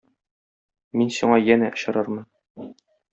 Мин сиңа янә очрармын.